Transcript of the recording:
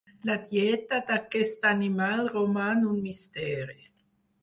La dieta d'aquest animal roman un misteri.